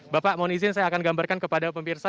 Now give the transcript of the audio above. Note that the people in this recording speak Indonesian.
bapak mohon izin saya akan gambarkan kepada pemirsa